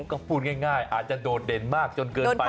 ก็พูดง่ายอาจจะโดดเด่นมากจนเกินไป